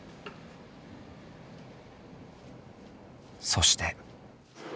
そして。